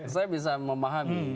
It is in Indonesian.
saya bisa memahami